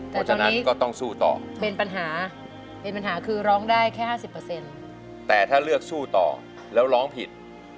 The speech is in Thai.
แต่ตอนนี้เป็นปัญหาเป็นปัญหาคือร้องได้แค่๕๐แต่ถ้าเลือกสู้ต่อแล้วร้องผิด